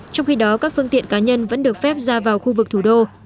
trong khi đó các phương tiện cá nhân vẫn được phép ra vào khu vực thủ đô